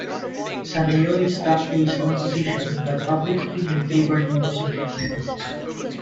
Saneyori stuck to his own position, but public opinion favored Morosuke.